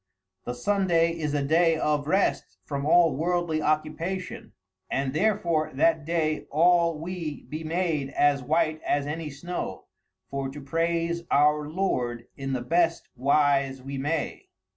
The Sundaie is a daie of rest from all worldly occupation, and therefore that day all we be made as white as any snow, for to praise our Lorde in the best wise we may.